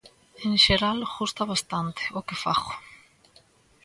En xeral gusta bastante o que fago.